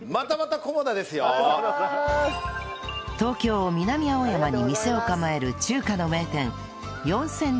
東京南青山に店を構える中華の名店４０００